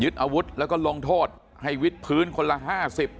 ยึดอาวุธแล้วก็ลงโทษให้วิดพื้นคนละ๕๐